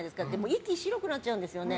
息が白くなっちゃうんですよね。